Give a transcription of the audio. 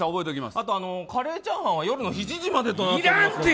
あとカレーチャーハンは夜の７時までとなっております。